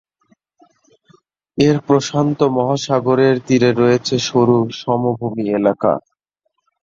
এর প্রশান্ত মহাসাগরের তীরে রয়েছে সরু সমভূমি এলাকা।